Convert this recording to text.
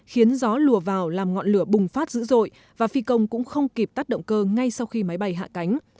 khiến gió lùa vào làm ngọn lửa bùng phát dữ dội và phi công cũng không kịp tắt động cơ ngay sau khi máy bay hạ cánh